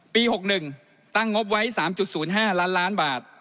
๖๑ตั้งงบไว้๓๐๕ล้านล้านบาท